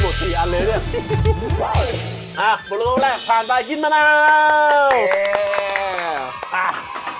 โปรดติดตามตอนต่อไป